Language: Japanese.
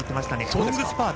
ロングスパート。